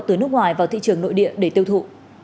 từ nước ngoài vào thị trường nội địa để tiêu thụ